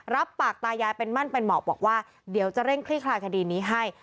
รับปากตายายเป็นมั่นเป็นเหมาะบอกว่าเดี๋ยวจะเร่งคลี่คลายคดีนี้ให้